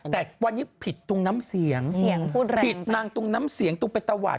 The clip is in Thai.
แต่วันนี้ผิดตรงน้ำเสียงผิดนางตรงน้ำเสียงตรงประตวาส